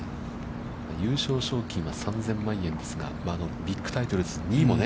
優勝賞金は３０００万円ですが、ビッグタイトルですので、２位もね。